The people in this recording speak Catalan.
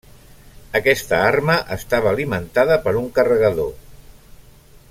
Aquesta arma estava alimentada per un carregador.